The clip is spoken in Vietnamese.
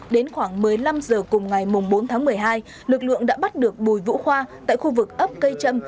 đến khoảng một mươi năm h cùng ngày bốn tháng một mươi hai lực lượng đã bắt được bùi vũ khoa tại khu vực ấp cây trâm